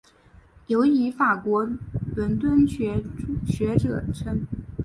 尤以法国敦煌学着称。